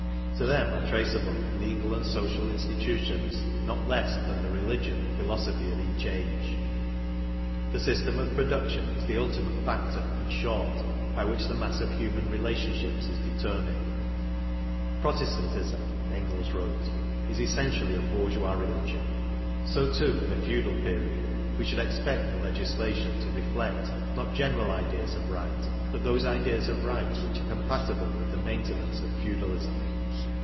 To them are trace i able legal and social institutions not less than the religion and philosophy of each age. The system of production is the ultimate factor, in short, by which the mass of human relationships is determined. Pro testantism, Engels wrote, is " essentially a bourgeois religion "; so too, in a feudal period we should expect the legislation to reflect not general ideas of right, but those ideas of right which are compatible with the main tenance of feudalism.